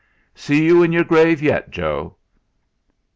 "See you in your grave yet, Joe."